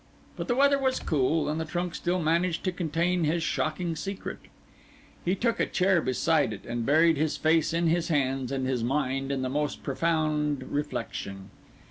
But the weather was cool, and the trunk still managed to contain his shocking secret. He took a chair beside it, and buried his face in his hands, and his mind in the most profound reflection.